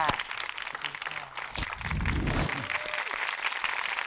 ขอบคุณค่ะ